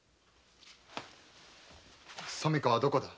染香はどこだ！？